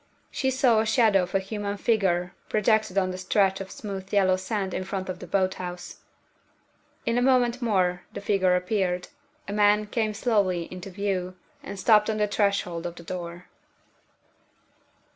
She saw the shadow of a human figure projected on the stretch of smooth yellow sand in front of the boat house. In a moment more the figure appeared. A man came slowly into view, and stopped on the threshold of the door.